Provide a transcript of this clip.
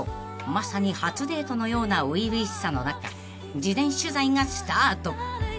まさに初デートのような初々しさの中事前取材がスタート］